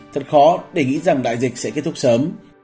thật khó để nghĩ rằng đại dịch sẽ kết thúc sớm